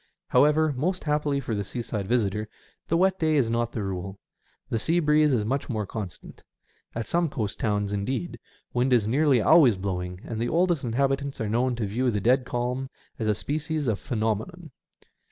However, most happily for the seaside visitor, the wet day is not the rule. The sea breeze is much more constant. At some coast towns, indeed, wind is nearly always blowing, and the oldest inhabitants are known to view the dead calm as a species of phenomenon.